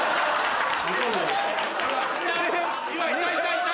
・今いたいたいた！